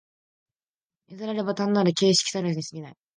然らざれば単なる形式たるに過ぎない。